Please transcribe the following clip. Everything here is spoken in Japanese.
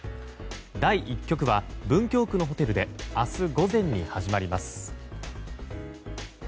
第１局は文京区のホテルで明日午前に始まります。